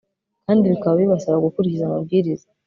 kandi bikaba bibasaba gukurikiza amabwiriza